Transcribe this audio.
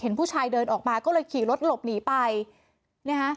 ผู้ชายเดินออกมาก็เลยขี่รถหลบหนีไปเนี่ยฮะ